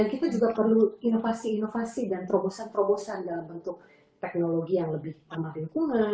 ni adalah mantep k counsel regresi ini